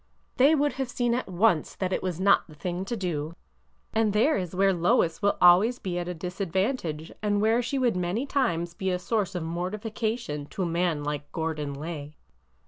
They would have seen at once that it was not the thing to do. And there is where Lois will always be at a disadvantage, and where she would many times be a source of mortification to a man like Gordon Lay."